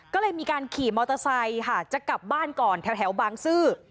ก็เลยมีการขี่มอเตอร์ไซค์ค่ะจะกลับบ้านก่อนแถวบางซื่อ